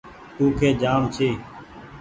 ڪوُڪي جآم ڇي ۔